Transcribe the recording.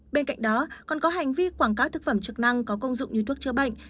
bên cạnh đó còn có hành vi quảng cáo thực phẩm chức năng có công dụng như thuốc chữa bệnh